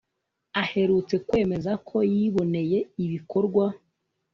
aherutse kwemeza ko yiboneye ibikorwa